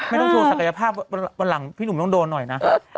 โชว์ศักยภาพวันหลังพี่หนุ่มต้องโดนหน่อยนะ